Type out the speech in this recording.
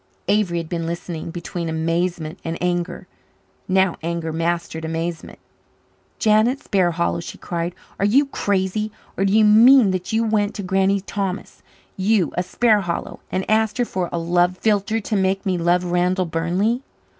Avery had been listening, between amazement and anger. Now anger mastered amazement. "Janet Sparhallow," she cried, "are you crazy? Or do you mean that you went to Granny Thomas you, a Sparhallow! and asked her for a love philtre to make me love Randall Burnley?"